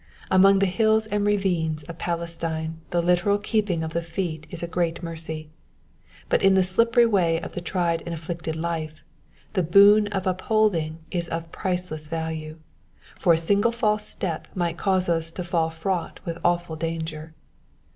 Among the hills and ravines of Palestine the literal keeping of the feet is a great mercy ; but in the slippery ways of a tried and afflicted life, the boon of upholding is of priceless value, for a single false step might cause us a fall fraught with awful danger.